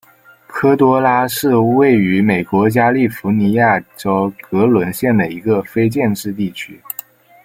科多拉是位于美国加利福尼亚州格伦县的一个非建制地区。